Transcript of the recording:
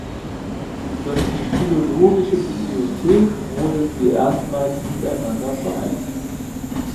Durch die Philologische Bibliothek wurden sie erstmals miteinander vereint.